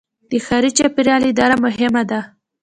د ښاري چاپیریال اداره مهمه ده.